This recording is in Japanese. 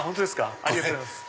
ありがとうございます。